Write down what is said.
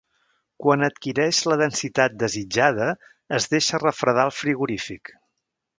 Quan adquireix la densitat desitjada es deixa refredar al frigorífic.